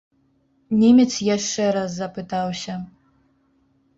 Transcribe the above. Немец яшчэ раз запытаўся.